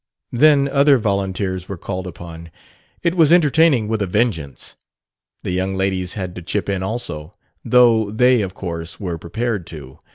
Then other volunteers were called upon it was entertaining with a vengeance! The young ladies had to chip in also though they, of course, were prepared to.